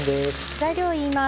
材料言います。